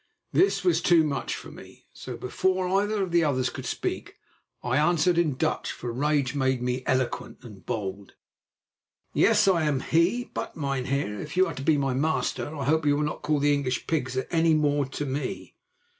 This was too much for me, so, before either of the others could speak, I answered in Dutch, for rage made me eloquent and bold: "Yes, I am he; but, mynheer, if you are to be my master, I hope you will not call the English pigs any more to me."